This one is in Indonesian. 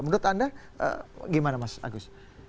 menurut anda gimana mas agus